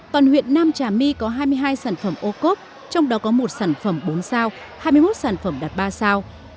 toàn huyện nam trà my có hai mươi hai sản phẩm ô cốp trong đó có một sản phẩm bốn sao hai mươi một sản phẩm đạt ba sao